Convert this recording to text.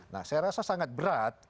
nah saya rasa sangat berat